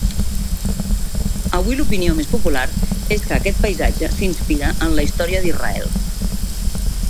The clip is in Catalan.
Avui l'opinió més popular és que aquest paisatge s'inspira en la història d'Israel.